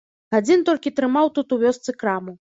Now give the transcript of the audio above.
Адзін толькі трымаў тут у вёсцы краму.